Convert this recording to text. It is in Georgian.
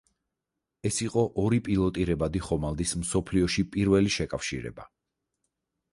ეს იყო ორი პილოტირებადი ხომალდის მსოფლიოში პირველი შეკავშირება.